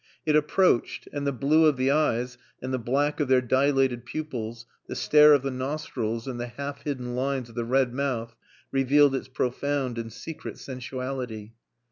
It approached, and the blue of the eyes, and the black of their dilated pupils, the stare of the nostrils and the half hidden lines of the red mouth revealed its profound and secret sensuality.